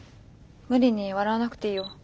無理に笑わなくていいよ。